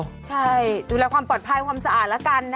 ใช่ดูแลความปลอดภัยความสะอาดแล้วกันนะ